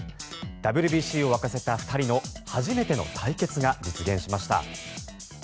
ＷＢＣを沸かせた２人の初めての対決が実現しました。